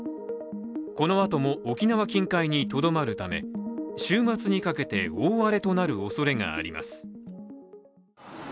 このあとも沖縄近海にとどまるため週末にかけて大荒れとなるおそれがあります。